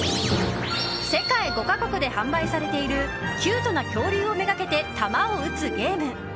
世界５か国で販売されているキュートな恐竜を目がけて球を撃つゲーム。